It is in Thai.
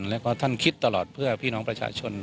แล้วก็ท่านคิดตลอดเพื่อพี่น้องประชาชน